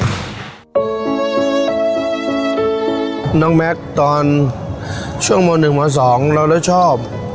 น้องแม็คตอนช่วงโมน๑โมน๒เราเลยชอบ